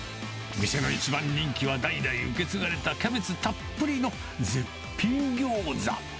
店の一番人気は、代々受け継がれたキャベツたっぷりの絶品ギョーザ。